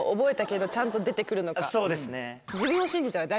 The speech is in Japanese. そうですね。